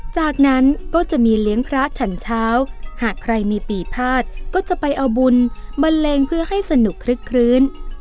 จากนั้นก็จะมีเลี้ยงพระฉันเช้าหากใครมีปีภาษก็จะไปเอาบุญบันเลงเพื่อให้สนุกคลึกคลื้น